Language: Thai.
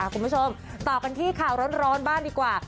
คุณผู้ชมต่อกันที่ข่าวร้อนบ้างดีกว่า